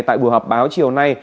tại buổi họp báo chiều nay